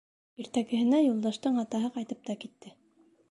Иртәгеһенә Юлдаштың атаһы ҡайтып та китте.